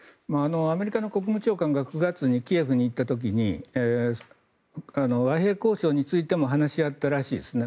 アメリカの国務長官が９月にキーウに行った時に和平交渉についても話し合ったらしいですね。